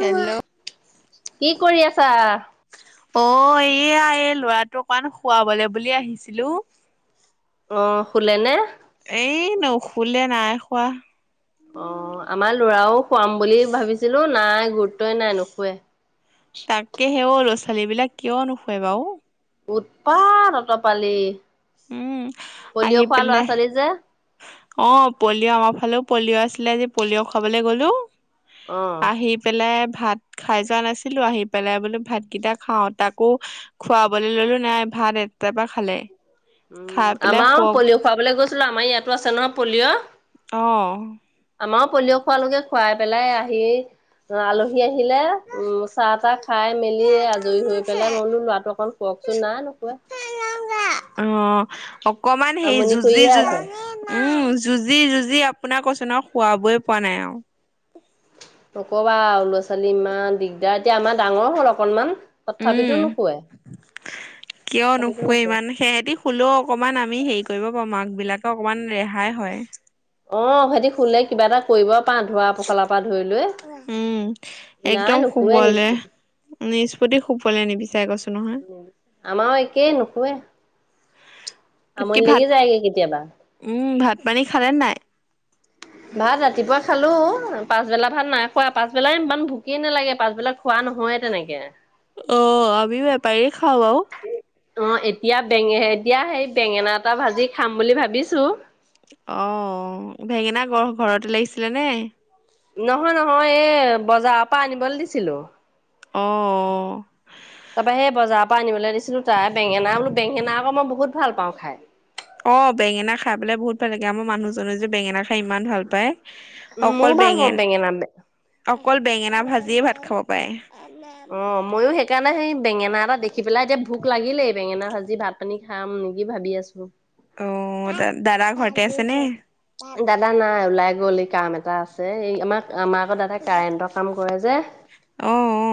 Hello. কি কৰি আছা? অ', এইয়া, এই ল'ৰাটো অকমান শুৱাবলৈ বুলি আহিছিলোঁ। অ', শুলেনে? এই নুশুলে নাই শুৱা। অ', আমাৰ ল'ৰাও শুৱাম বুলি ভাবিছিলোঁ, নাই গুৰুত্বই নাই নুশুৱে। তাকে হে, অ' ল'ৰা-ছোৱালীবিলাক, কিয় নুশুৱে বাৰু? উৎপাত! অ'ত পালি। উম আহি পলিঅ' খোৱা পেলাই লৰা-ছোৱালী যে! অ, পলিঅ' আমাৰ ফালেও পলিঅ' আছিলে যে, পলিঅ' খুৱাবলৈ গ'লো। অ'। আহি পেলাই ভাত খাই যোৱা নাছিলো, আহি পেলাই বোলো ভাতকেইটা খাওঁ, তাকো খুৱাবলৈ ললো, নাই ভাত একবাৰমান খালে। খাই উম, পেলাই আমাও শুৱক পলিঅ' খুৱাবলৈ গৈছিলো, আমাৰ ইয়াতো আছে নহয় পলিঅ'। অ'। আমাৰো পলিঅ' খোৱালৈকে, খুৱাই পেলাই আহি আলহী আহিলে, উম, চাহ-তাহ খাই মেলি এই আজৰি হৈ পেলাই মই বোলো ল'ৰাটো অকণ শুৱক। [unintelligible] নাই নুশুৱে। অ, অকমান হেই, আমনি যুজি, কৰিয়ে যুজি, আছে। উম যুজি, যুজি আপোনাক কৈছো নহয়, খোৱাবই পৰা নাই, আৰু নক'বা, ল'ৰা, ছোৱালী ইমান দিগদাৰ, এতিয়া আমাৰ ডাঙৰ হ'ল অকণমান। উম, কিয় নুশুৱে ইমান, সেহেতি শুলেও অকমান আমি, হেৰি কৰিব পাৰো, মাক বিলাকক অকমান ৰেহাই হয়। অ, সিহঁতি শুলে, কিবা এটা কৰিব। পা, ধোৱা-পখালা পৰা ধৰিলৈ। উম, একদম নাই, নুশুৱে শুবলে নিজে নিষ্পত্তি শুবলে নিবিচাৰে কৈছো নহয় আমাৰও একেই নুশুৱে। বাকী আমনি ভাত, লাগি যায়গে কেতিয়াবা উম, ভাত পানী খালেনে নাই? ভাত, ৰাতিপুৱা খালো। পাছবেলা ভাত নাইখোৱা, পাছবেলা ইমান ভোকেই নালাগে, পাছবেলা খোৱা নহয়ে তেনেকে। অ', আমিও এবাৰে খাও বাও। অ, এতিয়া বেঙে, এতিয়া সেই, বেঙেনা এটা ভাজি খাম বুলি ভাবিছো। অ', বেঙেনা ঘ-ঘৰতে লাগিছিলে নে? নহয়, নহয় এই, বজাৰৰ পৰা আনিবলৈ দিছিলো। অ। তাপা হেই বজাৰৰ পৰা আনিবলৈ দিছিলো, তাই বেঙেনা বোলো। বেঙেনা আকৌ মই বহুত ভাল পাওঁ খাই। অ, বেঙেনা খাই পেলাই, বহুত ভাল লাগে, আমাৰ মানুহজনে যে বেঙেনা খাই, ইমান ভাল পায়। উম অকল ময়ো ভাল পাওঁ বেঙেন, বেঙেনা অকল বেঙেনা ভাজিয়ে ভাত খাব পাৰে। [inaudible] অঁ ময়ো সেইকাৰণে, সেই বেঙেনা এটা দেখি পেলাই, এতিয়া ভোক লাগিলেই। বেঙেনা ভাজি, ভাত পানী খাম, নেকি ভাবি আছো। অ', দাদা ঘৰতে আছেনে? দাদা নাই, ওলাই গ'ল এই কাম এটা আছে। এই আমাৰ আমাৰ আকৌ দাদাই কাৰেণ্টৰ কাম কৰে যে। অ অ অ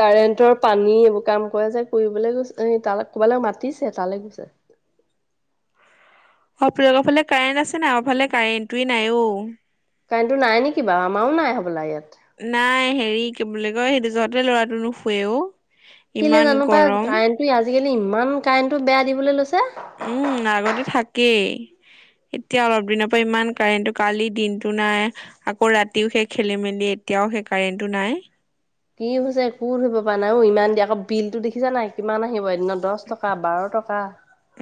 কাৰেণ্টৰ পানী এইবোৰ, কাম কৰা যে, কৰিবলৈ গৈছে, এ তাল কবালৈ মাতিছে তালৈ গৈছে। আপোনালোকৰ, ফালে কাৰেন্ট আছে নাই, আমৰ ফালে কাৰেণ্টটোয়ে নাই, অ। কাৰেণ্ট নাই, নেকি বাৰ আমাৰও নাই হ'বলা, ইয়াত। নোৱাৰি দোযাতেও ল'ৰাটো নোখোৱেও। কেলে জানো পাই, কাৰেণ্টটো আজিকালি, ইমান কাৰেণ্টটো বেয়া দিবলৈ লৈছে। উম আগতে থাকেই এতিয়া অলপ, দিনৰ পৰা ইমান কাৰেণ্টো, কালি দিনতটো নাই। আকৌ ৰাতিও সেই খেলি-মে মেলি এতিয়াও, সেই কাৰেণ্টো নাই। কি হৈছে একো ধৰিব পৰা নাই, ইমান দিয়ে আকৌ বিলতো দেখিছা নাই কিমান আহিব এদিন দহ টকা, বাৰ টকা।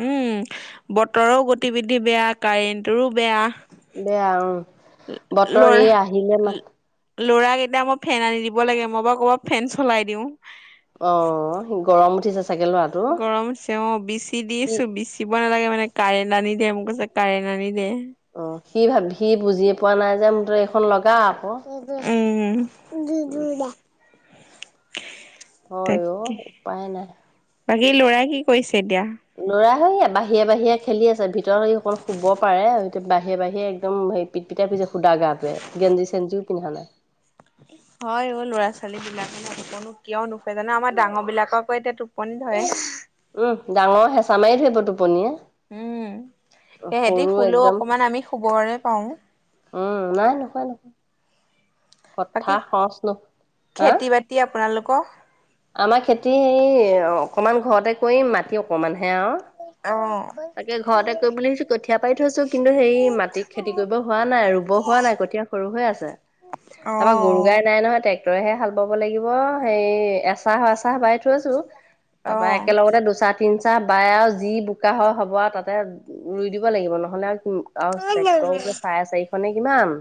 উম, বতৰৰ গতিবিধি বেয়া, কাৰেণ্টৰো বেয়া। বেয়া, অ, বতৰ আহিলে মাত। ল'ৰাৰাকেইটা, মই ফেন আনি দিব লাগে, মই বা কৰপৰা ফেন চলাই দিওঁ। অ, গৰম উঠিছে। চাগে ল'ৰাটো গৰম উঠিছে অ, বিচি দি সি আছো, বিচিব নালাগে। মানে কাৰেণ্ট আনি দে, মোক কৈছে কাৰেণ্ট আনি দে। অ', সি ভাব সি বুজিয়ে পোৱা নাই যে [unintelligible] এইখন লগ উম উহ। হয় অ', উপায় নাই। বাকী ল'ৰাই কি কৰিছে এতিয়া? এ বাহিৰে বাহিৰে খেলি আছে ভিতৰত সি অকল শুব পাৰে বাহিৰে বাহিৰে একদম হে পিত পিতাই পিছে সুদা গাটোৱে, গেঞ্জি চেঞ্জিও পিন্ধা নাই। হয় অ ল'ৰা ছোৱালী বিলাকে জানো কিয় নুটুজে জানো আমাৰ ডাঙৰ বিলাককো এতিয়া টোপনি হয়। উম ডাঙৰৰ হেঁচা মাৰি থধৰিব টোপনিয়ে উম। সেহঁতি সৰু শুলেও একদম অকমান আমি শুবৰে পাওঁ। উম, নাই নোখোৱাই নহয় কথা বাকী সচ ন হা খেতি বাতি আপোনালোকৰ? আমাৰ খেতি হেৰি অকমান ঘৰতে কৰিম, মাটি অকমানহে আৰু। অ', তাকে ঘৰতে কৰিবলৈ কঠীয়া পাৰি থৈছোঁ কিন্তু সেই মাটিত খেতি কৰিব হোৱা নাই আৰু। ৰুব হোৱা নাই কঠীয়া সৰু হৈ আছে তাৰাপা গুৰু অ', গাই নাই নহয় তে টোৰেহে হাল বাব লাগিব সেই এক এচাহ, এচাহ বাই থৈছোঁ তাৰপৰা অ', একেলগতে দুচাহ, তিনি চাহ বায়ে আৰু যি বোকা হ-হ'ব আৰু তাতে ৰুই দিব লাগিব নহ'লে আৰু উম, আৰু চেক্টৰ চাৰে চাৰিশনে কিমান।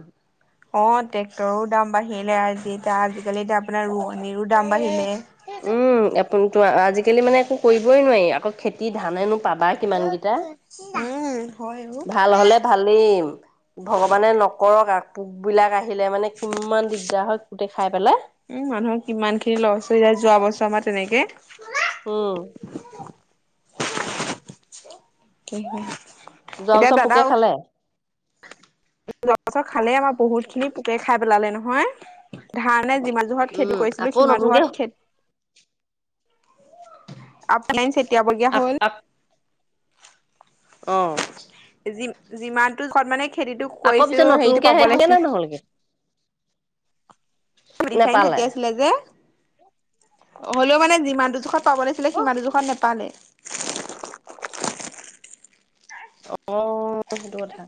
অ', ট্ৰেক্টৰো দাম বাঢ়িলে আৰু এতিয়া আজিকালি এতিয়া আপোনাৰ ৰোৱনিৰো দাম বাঢ়িলে। উম, [unintelligible] আজিকালি মানে একো কৰিবই নোৱাৰি, আকৌ খেতি ধানেনো পাবা কিমান কেইটা। উম, হয়, অ'। ভাল হ'লে ভালেই। ভগৱানে নকৰক পোক বিলাক আহ আহিলে মানে কিমান দিগদাৰ হয়, গোটে খাই পেলাই। উম, মানুহৰ কিমান খিনি লছ হৈ যায় [unintelligible] তেনেকে উম। [inaudible] যোৱাবছৰ পোকে খালে? যোৱাবছৰ খালেই আমাৰ বহুতখিনি পোকে খাই পেলালে নহয়, ধান নে যিমা যোহত উম, খেতি কৰিছিলো আকৌ সিমা নতুনকে জোহত খে [inaudible] হ'ল। অ'। যি-যিমানটো জোখত মানে খেতিটো আকৌ পিছত কৰিছিলোঁ সেইটো নতুনকে পাব হেৰি হ'লগে নে লাগিছিল নহ'লগে? [unintelligible] নেপালে চটিয়াইছিলে যে, হ'লেও মানে যিমানটো জোখত পাব লাগিছিলে সিমানটো জোখত নেপালে। অ', সেইটো কথা।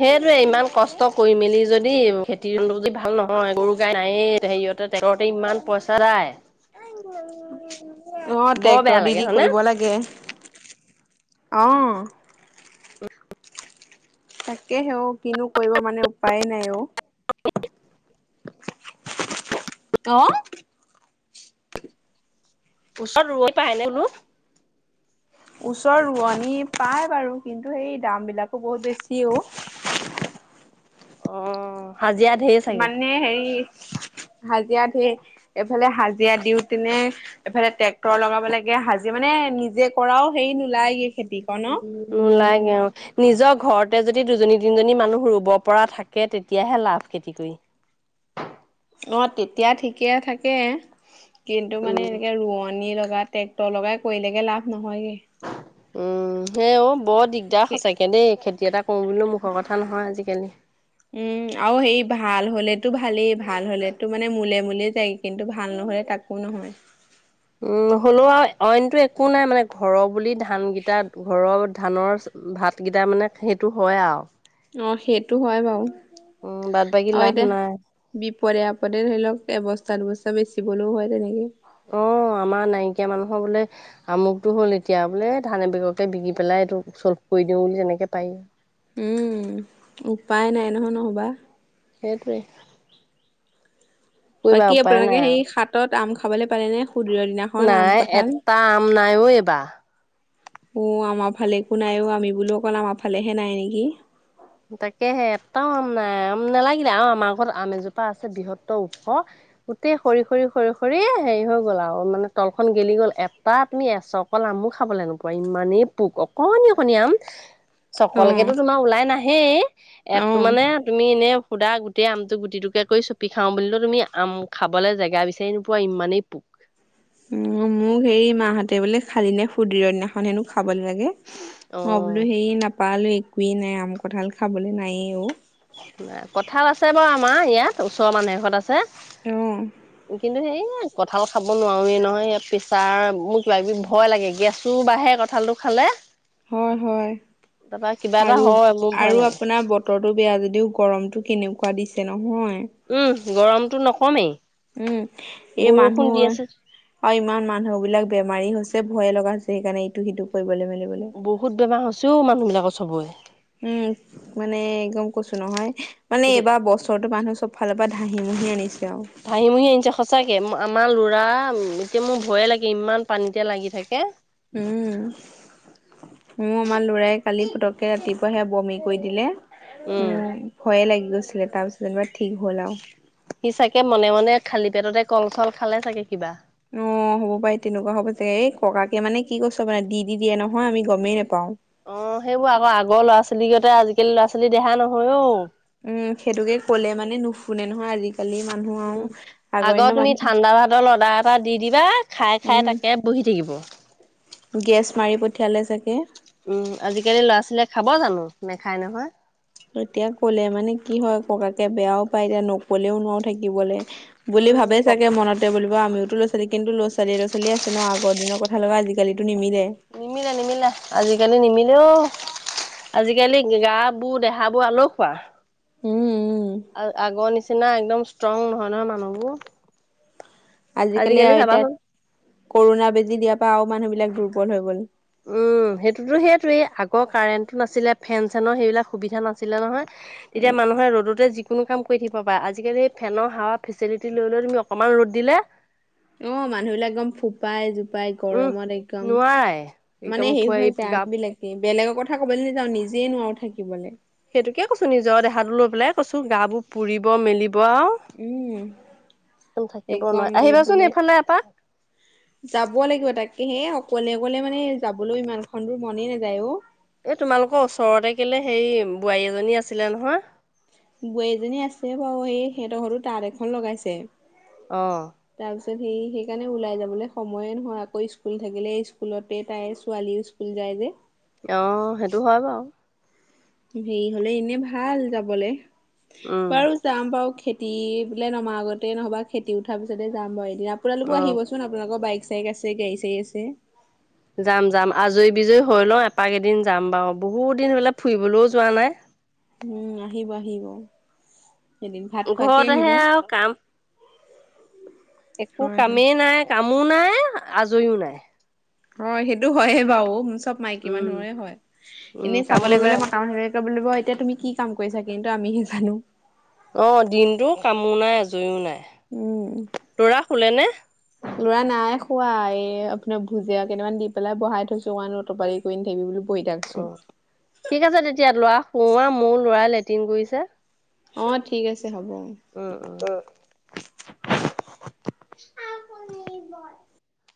সেইটোয়ে ইমান কষ্ট কৰি, মেলি যদি খেতিটো [inaudible] ভাল নহয়, গৰু, গাই নায়ে [inaudible] [unintelligible] ট্ৰেক্টৰতে ইমান পইচা যায়। [unintelligible] অ', বৰ ট্ৰেক্টৰ বেয়া দি, লাগে দি হয়নে? কৰিব লাগে। অ'। তাকেহে অ', কিনো কৰিব মানে উপায় নাই অ'। অ'। ওচৰত ৰোৱৈ পায় নে বুলো ওচৰৰ ৰোৱনী পায় বাৰু, কিন্তু সেই দাম বিলাকো বহুত বেছি‌ অ'। অ হাজিৰা ঢেৰ চাগে মানে [inaudible] হাজিৰা ধেৰ এফালে হাজিৰা দিওঁ তেনে এফালে ট্ৰেক্টৰ লগাব লাগে, হাজিৰা মানে এ নিজে কৰাও সেই নোলাইগে, আও। নিজৰ ঘৰতে যদি দুজনী তিনিজনী মানুহ ৰুব পৰা থাকে তেতিয়াহে লাভ খেতি কৰি। [inaudible] অ', তেতিয়া ঠিকে থাকে কিন্তু মানে উম। এনেকে ৰোৱনিৰ লগ। ট্ৰেক্টৰ লগাই কৰিলেগে লাভ নহয়গে। উম, সেই অ' বৰ দিগদাৰ সচাকে দেই খেতি খেতি এটা কৰোঁ বুলি মুখৰ কথা নহয় আজিকালি। উম', আও সেই ভাল হ'লেতো ভালেই ভাল হ'লেতো মূলে মূলে যায় কিন্তু ভাল নহ'লে তাকো নহয়। উম', হ'লেও আও অইনটো একো নাই মানে ঘৰৰ বুলি ধানকেইটা ঘৰত। ধানৰ ভাতকেইটা মানে সেইটো হয় আও। অহ', সেইটো হয় বাৰু। উম, বাদ বাকী অ লাভ এতিয়া, নাই। বিপদে-আপদে ধৰি লওক এবস্তা দুবস্তা বেচিবলৈও হয় তেনেকে। অ'। অ আমাৰ নাইকিয়া মানুহৰ বোলে, আমুকটো হ'ল এতিয়া বোলে ধানে বিককে বিকি পেলাই এইটো চল। কৰি দিওঁ বুলি তেনেকে পাই। উম উপায় নাই নহয় নহ'বা। সেইটোৱে। কৰিবা বাকী উপায় আপোনালোকে নাই হেই আৰু সাতত আম খাবলে পালে নে? সুদিনৰ দিনাখন আম নাই কঁঠাল। এটা আম নাই অ' এইবাৰ। [inaudible] অ', আমাৰ ফালে একো নাই অ'আমি বোলো অকল আমাৰ ফালেহে নাই নেকি। তাকেহে এটাও আম নাই নালাগিলে, আৰু আমাৰ ঘৰত আম এজোপা আছে বৃহত্তৰ ওখ। গোটেই খৰি খৰি খৰি খৰি হেৰি হৈ গ'ল আৰু মানে তলখন গেলি গ'ল এটা তুমি এচকল আমো খাবলে নোপোৱা ইমানেই পোক অকনি অকনি আম। অ চকলকেতো তোমাৰ ওলাই নাহেই এত অ মানে তুমি। সুদা গোটেই আমটো গুটিটোকে কৰি চপি খাও বুলিলো তুমি, আম খাবলৈ জেগা বিচাৰি নোপোৱা ইমানেই। পোক উম', মোক হেৰি মা হতে বোলে খালি নে সুদিৰ দিনাখন হেনো খাবলৈ লাগে। অ মই বোলো হেৰি নাপালো একোৱেই নাই আম কঠাল খাবলৈ নাইয়ে অ'। কঠাল আছে বাৰু আমাৰ ইয়াত, ওচৰৰ মানুহ এঘৰত আছে। অহ কিন্তু সেইয়া কঁঠাল খাব নোৱাৰোৱেই নহয়, প্ৰেছাৰ মোৰ কিবা কিবি ভয় লাগে গেছো বাঢ়ে কঁঠালটো খালে হয়', হয়' তাৰপা কিবা এটা আৰু হয় মোৰ ভয় আৰু লাগে আপোনাৰ বতৰটো বেয়া যদ। তেও গৰমতটো কেনেকুৱা দিছে নহয়। উমহ গৰমটো নকমেই। উম', এই বৰষুণ দি মানুহ আছে আৰু ইমান মানুহবিলাক বেমাৰী হৈছে। যে ভয়ে লগা হৈছে সেইকাৰণে এইটো সিটো কৰিবলৈ মানে।। বহুত বেমাৰ হৈছেও মানুহবিলাকৰ চবৰে। উম', মানে একদম কৈছো নহয় মানে এইবাৰ বছৰটো মানুহে চব এফালৰ পা ধাহিমোহি আনিছে। আৰু ধাহিমোহি আনিছে সঁচাকে আমাৰ ল'ৰা, এতিয়া মোৰ ভয়ে লাগে ইমান পানীতে লাগি থাকে। উম। মোৰ আমাৰ লৰাই কালি পতককে ৰাতিপুৱা সেয়া বমি কৰি দিলে, উম মোৰ ভয়ে লাগিল গছিলে তাৰপিছত ঠিক হ'ল আৰু। সি চাগে মনে মনে খালী পেটতে কল চল খালে চাগে কিবা। অ' অ', হ'ব পাৰে তেনেকুৱা হ'ব যে, এই ককাকে মানে কি কৈছ মানে দি দি দিয়ে নহয় আমি গমেই নাপাও। অ সেইবোৰ আকৌ আগৰ ল'ৰা-ছোৱালী কতে আজিকালি ল'ৰা-ছোৱালী দেহা নহয় অ'। উম', সেইটোকে কলে মানে নুশুনে নহয় আজি। উম', আগৰ তুমি ঠাণ্ডা ভাতৰ লৰ্ডা এটা দি দিবা খাই উম খাই তাকে বহি থাকিব। গেছ মাৰি পঠিয়ালে চাগে। উম, আজিকালি ল'ৰা-ছোৱালীয়ে খাব জানো। নেখায় নহয়। তেতিয়া ক'লে মানে কি হয় ককাকে বেয়াও পায় এতিয়া নক'লেও নোৱাৰোঁ থাকিবলে। বুলি উম ভাবে কওক। চাগে মনতে বুলিব আমি ল'ৰা-ছোৱালী কিন্তু ল'ৰা-ছোৱালী আছে ন' আগৰ দিনৰ কথা লগা আজিকালিটো নিমি নিমিলে, নিমিলে আজিকালি নিমিল এঅ আজিকালি গা বোৰ দেহাবোৰ আলসুৱা। উম উম আৰু আগৰ নিচিনা একদম ষ্ট্ৰং নহয় নহয় মানুহবোৰ। আজিকালি এতিয়া কৰুণা বেজি দিয়াৰ পৰা আৰু মানুহবিলাক দুৰ্বল হৈ গ'ল। উম, সেইটোতো সেইটোৱেই আগৰ কাৰেণ্টটো নাছিলে ফেন চেনৰ সেইবিলাক সুবিধা নাছিলে নহয়। তেতিয়া উম। মানুহে ৰ'দতে যি কোনো কাম কৰি থাকিব পাৰে, আজিকালি ফেনৰ হাৱা ফেচিলিটি লৈ লৈ তুমি অকমান ৰ'দ দিলে। অ', মানুহবিলাক একদম ফোপাই জো পাই উম গৰমত একদম নোৱাৰাই মানে একদম হেৰি ফুৱাই হৈ যায় গা আমিবিলাকে বেলেগৰ ক কথা ক'বলৈ নেযাওঁ নিজেই নোৱাৰোঁ থাকিবলে। সেইটোকে কৈছো নিজৰ দেহাটো লৈ পেলাই কৈছোঁ গাবোৰ পুৰিব মেলি নোৱাও, উম থাকিব একদম নোৱাৰি এই বোলে আহিবাচোন এইফালে এপাক। যাব লাগিব তাকে সেই অকলে অকলে মানে যাবলৈ ইমানখন দূৰ, মনেই নাযায় অ'। এ তোমালোকৰ ওচৰতে কেলে সেই বোৱাৰী এজনী আছিলে নহয়। বোৱাৰীজনী আছে বাৰু, সেই সিহঁতৰ ঘৰটো তাঁত এখন লগাইছে। অ'। [unintelligible] হেই সেইকাৰণে ওলাই যাবলৈ সময়ে নহয় আকৌ স্কুল থাকিলে স্কুলতে, তাই ছোৱালীও স্কুল যায় যে অ', সেইটো হয় বাৰু। হেৰি হলে এনে ভাল যাবলে, উম বাৰু যাম বাৰু খেতি বোলে নমা আগতে নহ'বা খেতি উঠাৰ পিছতে যাম বাৰু এদিন, আপোনালোকো অ আহিবচোন, আপোনালোকৰ বাইক চাইগ আছেই, গাড়ী চাড়ী আছেই। যাম, যাম, আজৰি বিজয়ী হৈ লওঁ, এপাক এদিন যাম বাৰু। বহুত দিন বোলে ফুৰিবলৈও যোৱা নাই উম, আহিব, আহিব। এদিন ভাত খোৱাকে আহিব। ঘৰতেহে আৰু কাম একো হয় হয় কামেই নাই, কামো নাই, আজৰিও নাই। হয়, সেইটো হয়ে বাৰু, চব মাইকী উম মানুহৰে হয়। উম এনেই কামো চাবলৈ নাই গলে মতা মানুহৰ বুলিব এতিয়া তুমি কি কাম কৰিছা, কিন্তু আমিহে জানো অ, দিনটো কামো নাই, আজৰিও নাই। উম, ল'ৰা শুলে নে? ল'ৰা নাই শু শুৱা, এই আপোনাৰ ভুজিয়া কেটামান দি পেলাই বহাই থৈছো, ইমান অতপালি কৰি নাথাকিবি বুলো উম। ঠিক আছে তেতিয়া ল'ৰা শুওৱা, মোৰো ল'ৰা লেট্ৰিন কৰিছে অ ঠিক আছে হ'ব অ উম উম। [inaudible]